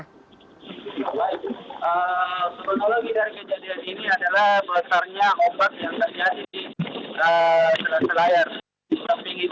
kronologi dari kejadian ini adalah